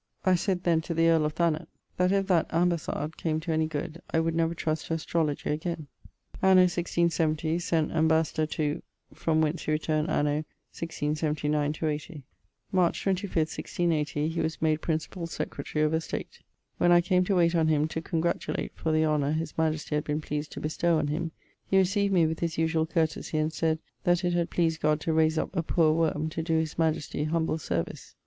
I sayd then to the earl of Th that if that ambassade came to any good I would never trust to astrologie again. Anno 167 sent ambassador to ..., from whence he returned anno 16[79/80]. March 25, 1680, he was made Principall Secretary of Estate. When I came to wayte on him to congratulate for the honour his majestie had been pleased to bestowe on him, he recieved me with his usuall courtesie, and sayd that 'it had pleased God to rayse up a poore worme to doe his majestie humble service.'